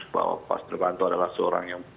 bahwa pak sidenovanto adalah seorang yang